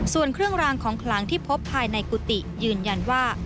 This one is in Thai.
ส่วนเครื่องรางของคลังที่พบภายในกุฏิยืนยันว่า